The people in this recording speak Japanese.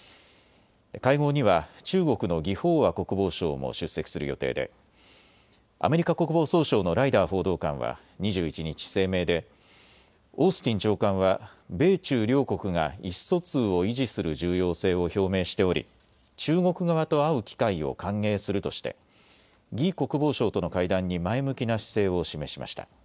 会合には中国の魏鳳和国防相も出席する予定でアメリカ国防総省のライダー報道官は２１日、声明でオースティン長官は米中両国が意思疎通を維持する重要性を表明しており、中国側と会う機会を歓迎するとして魏国防相との会談に前向きな姿勢を示しました。